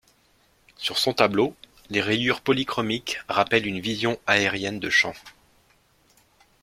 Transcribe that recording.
Sur son tableau, les rayures polychromiques rappellent une vision aérienne de champs.